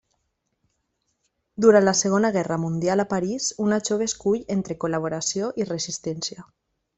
Durant la Segona Guerra mundial a París, una jove escull entre col·laboració i resistència.